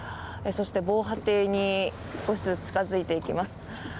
そして、防波堤に少しずつ近付いていきます。